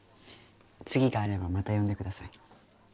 次があればまた呼んでください。